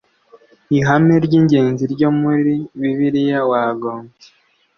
ihame ry ingenzi ryo muri bibiliya wagombye